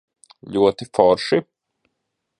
Ļoti forši?